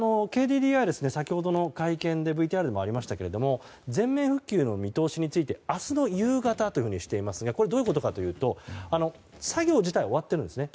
ＫＤＤＩは先ほどの会見でＶＴＲにもありましたけど全面復旧の見通しについて明日の夕方としていますがこれは、どういうことかというと作業自体は終わってるんですね。